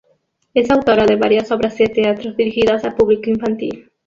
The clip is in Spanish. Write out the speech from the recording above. Es autora de varias obras de teatro dirigidas al público infantil.